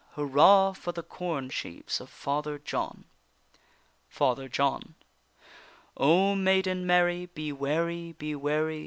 Hurrah for the corn sheaves of Father John! FATHER JOHN. O maiden Mary, be wary, be wary!